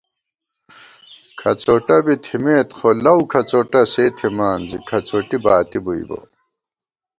کھڅوٹہ بی تھِمېت خو لَؤ کھڅوٹہ سے تھِمان زی کھڅوٹی باتی بُوئیبہ